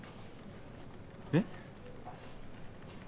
えっ？